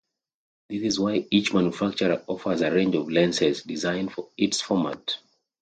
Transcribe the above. This is why each manufacturer offers a range of lenses designed for its format.